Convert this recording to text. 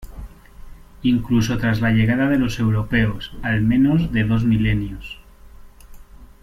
Incluso tras la llegada de los europeos, al menos de dos milenios.